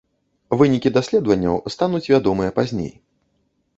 Вынікі даследаванняў стануць вядомыя пазней.